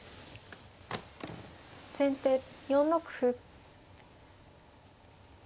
先手４六歩。